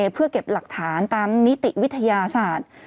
เพื่อเก็บหลักฐานตามนิติวิทยาศาสตร์